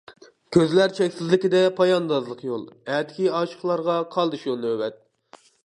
كۆزلەر چەكسىزلىكىدە پاياندازلىق يول، ئەتىكى ئاشىقلارغا قالدى شۇ نۆۋەت.